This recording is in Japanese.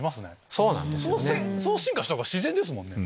そう進化したほうが自然ですもんね。